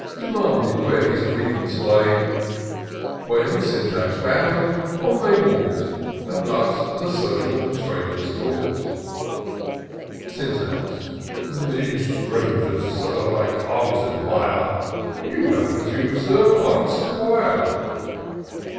Demanded where his grievance lay ; When, Syntax bowing, on they walk'd, And thus the social strangers taJk'd :— Syntax. " These traders. Sir, I can't admire: You, I presume, Sir, are a 'squire."